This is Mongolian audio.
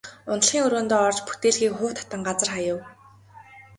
Унтлагын өрөөндөө орж бүтээлгийг хуу татан газар хаяв.